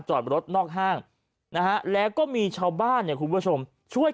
จอดรถนอกห้างนะฮะแล้วก็มีชาวบ้านเนี่ยคุณผู้ชมช่วย